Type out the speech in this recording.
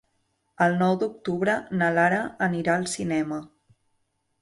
El nou d'octubre na Lara anirà al cinema.